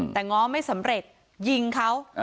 แต่ง้อไม่สำเร็จยิงเขา